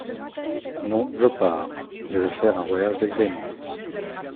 Non, je pars… je vais faire un voyage d’agrément !